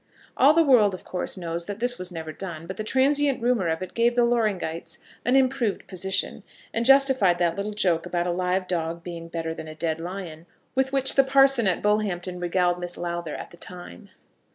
All the world of course knows that this was never done; but the transient rumour of it gave the Loringites an improved position, and justified that little joke about a live dog being better than a dead lion, with which the parson at Bullhampton regaled Miss Lowther at the time.